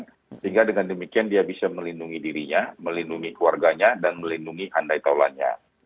sehingga dengan demikian dia bisa melindungi dirinya melindungi keluarganya dan melindungi andai taulannya